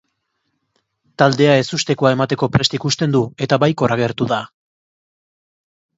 Taldea ezustekoa emateko prest ikusten du, eta baikor agertu da.